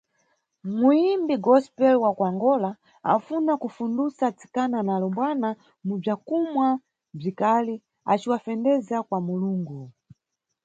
Muyimbi gospel wa kuAngola anfuna kufundusa atsikana na alumbwana mʼbzwakumwa bzwikali, aciwafendeza kwa Mulungu.